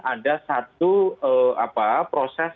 ada satu proses